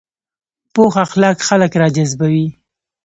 پوخ اخلاق خلک راجذبوي